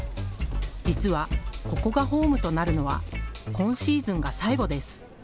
実は、ここがホームとなるのは今シーズンが最後です。